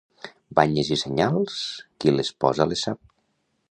Banyes i senyals, qui les posa les sap.